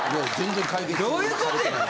どういうことやねん！